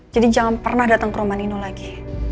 jadi jangan pernah datang ke rumah nino lagi